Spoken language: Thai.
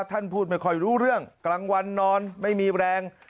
ท่านพูดไม่ค่อยรู้เรื่องกลางวันนอนไม่มีแรง